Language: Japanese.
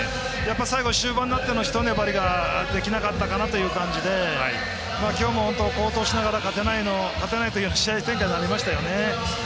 終盤になってのひと粘りができなかったかなという感じで今日も好投しながら勝てない時の試合展開になりましたね。